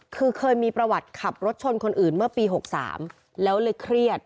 คือเคยมีประวัติขับรถชนคนอื่นเมื่อปี๖๓แล้วเลยเครียด